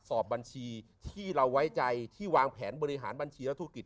สอบบัญชีที่เราไว้ใจที่วางแผนบริหารบัญชีและธุรกิจ